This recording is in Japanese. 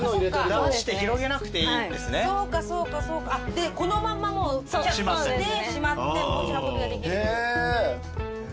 でこのままもうしまって持ち運びができる。